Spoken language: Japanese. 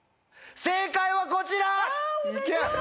正解はこちら！